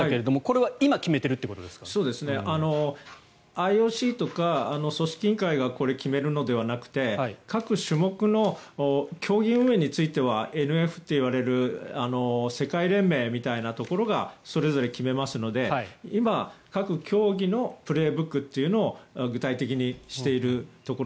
ＩＯＣとか組織委員会がこれ、決めるのではなくて各種目の競技運営についてはＮＦと言われる世界連盟みたいなところがそれぞれ決めますので今、各競技の「プレーブック」というのを具体的にしているところ。